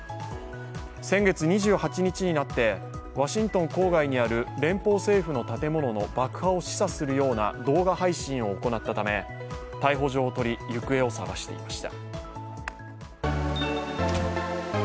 先月２８日になってワシントン郊外にある連邦政府の建物の爆破を示唆するような動画配信を行ったため、逮捕状を取り行方を捜していました。